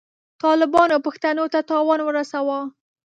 طالبانو پښتنو ته تاوان ورساوه.